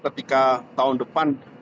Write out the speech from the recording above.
ketika tahun depan